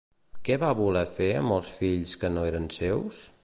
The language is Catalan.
Què va voler fer amb els fills que no eren seus?